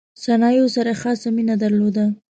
صنایعو سره یې خاصه مینه درلوده.